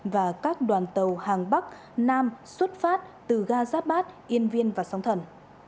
và các đoàn tàu hàng bắc nam xuất phát từ ga giáp bát yên viên và sóng thần